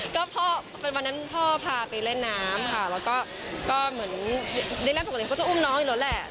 ก็เพราะวันนั้นพ่อพาไปเล่นน้ำค่ะใดลับเธอจะอุ้มน้องอยู่ราวแหละ